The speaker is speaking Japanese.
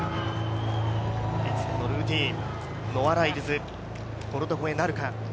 いつものルーティーン、ノア・ライルズ、ボルト超えなるか。